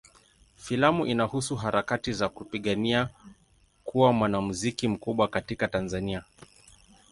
Filamu inahusu harakati za kupigania kuwa mwanamuziki mkubwa katika Tanzania.